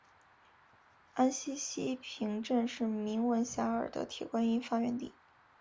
安溪西坪镇是名闻遐迩的铁观音发源地。